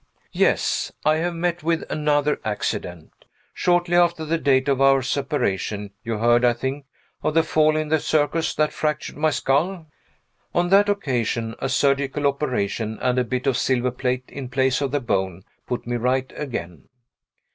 Yes I have met with another accident. Shortly after the date of our separation, you heard, I think, of the fall in the circus that fractured my skull? On that occasion, a surgical operation, and a bit of silver plate in place of the bone, put me right again.